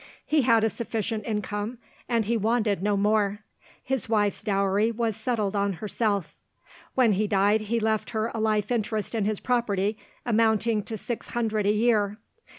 He had a sufficient income, and he wanted no more. His wife's dowry was settled on herself. When he died, he left her a life interest in his property amounting to six hundred a year.